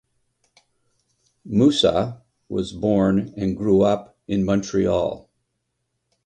Moussa was born and grew up in Montreal.